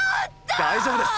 大丈夫です。